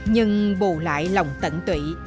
nhưng bù lại lòng tận tụy